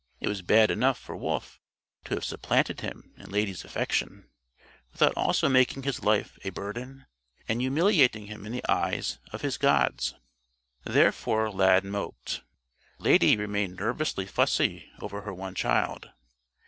It was bad enough for Wolf to have supplanted him in Lady's affection, without also making his life a burden and humiliating him in the eyes of his gods. Therefore Lad moped. Lady remained nervously fussy over her one child.